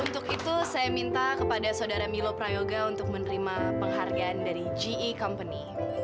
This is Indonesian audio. untuk itu saya minta kepada saudara milo prayoga untuk menerima penghargaan dari ge company